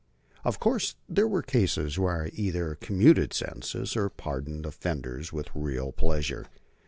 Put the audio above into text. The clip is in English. Of course there were cases where I either commuted sentences or pardoned offenders with very real pleasure.